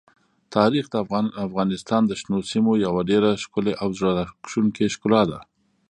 تاریخ د افغانستان د شنو سیمو یوه ډېره ښکلې او زړه راښکونکې ښکلا ده.